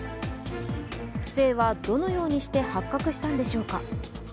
不正はどのようにして発覚したのでしょうか。